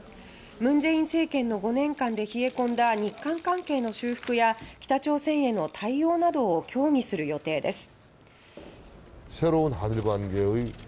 文在寅政権の５年間で冷え込んだ日韓関係の修復や北朝鮮への対応などを協議する予定です。